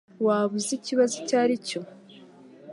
Waba uzi ikibazo icyo aricyo?